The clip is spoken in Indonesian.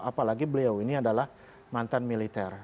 apalagi beliau ini adalah mantan militer